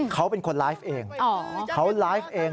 เขาเป็นคนไลฟ์เองเขาไลฟ์เอง